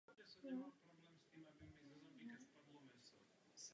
Zaměřuje se na finanční služby pro samosprávné celky.